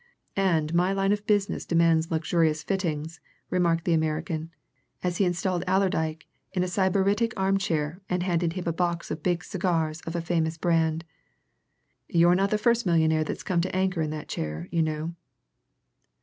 "And my line of business demands luxurious fittings," remarked the American, as he installed Allerdyke in a sybaritic armchair and handed him a box of big cigars of a famous brand. "You're not the first millionaire that's come to anchor in that chair, you know!"